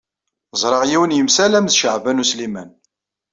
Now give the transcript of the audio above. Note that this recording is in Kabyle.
Ẓṛiɣ yiwen yemsalam d Caɛban U Sliman.